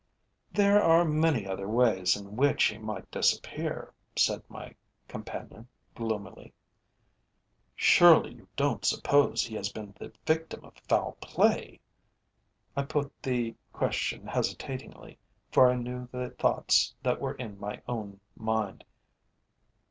"There are many other ways in which he might disappear," said my companion gloomily. "Surely you don't suppose he has been the victim of foul play?" I put the question hesitatingly, for I knew the thoughts that were in my own mind.